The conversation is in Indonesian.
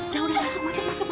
ya udah masuk masuk masuk